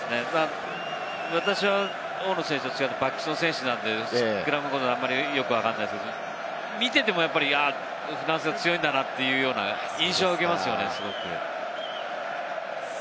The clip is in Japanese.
私は大野選手と違ってバックスの選手なので、スクラムのことはよくわかりませんが、見ていてもフランスが強いんだなという印象は受けますよね。